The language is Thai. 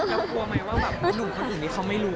น่ากลัวไหมว่าหนูคนอื่นนี้เขาไม่รู้